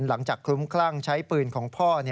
หลังจากคลุ้มคลั่งใช้ปืนของพ่อ